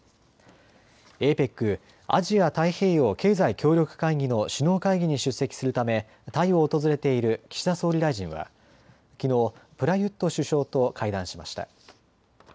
ＡＰＥＣ・アジア太平洋経済協力会議の首脳会議に出席するためタイを訪れている岸田総理大臣はきのう、プラユット首相と会談しました。